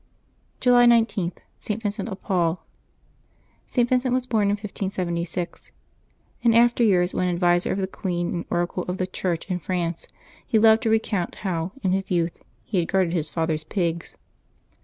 July 19.— ST, VINCENT OF PAUL. [t. Vincent was bom in 1576. In after years, when adviser of the queen and oracle of the Church in France, he loved to recount how, in his youth, he had guarded his father's pigs.